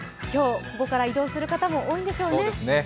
今日、ここから移動する方も多いんでしょうね。